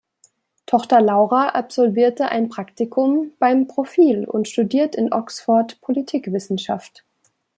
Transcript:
Tochter Laura absolvierte ein Praktikum beim "profil" und studiert in Oxford Politikwissenschaft.